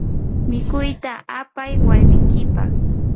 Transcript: mikuyta apayi warmikipaq.